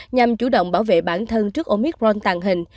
nhằm chủ động bảo vệ bản thân trước omicron tàng hình